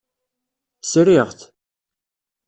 Sriɣ-t.